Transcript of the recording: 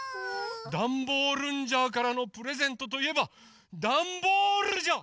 ダンボールンジャーからのプレゼントといえばダンボールジャ！